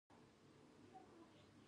یوه ټولنه د کیمیاوي انجینرانو لپاره ده.